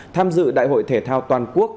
tham dự đại hội thể thao toàn quốc